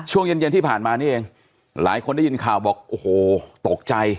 ช่วงเย็นเย็นที่ผ่านมานี่เองหลายคนได้ยินข่าวบอกโอ้โหตกใจ